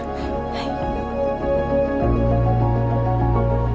はい。